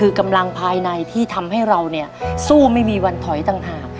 คือกำลังภายในที่ทำให้เราเนี่ยสู้ไม่มีวันถอยต่างหาก